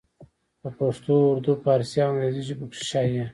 پۀ پښتو اردو، فارسي او انګريزي ژبو کښې شايع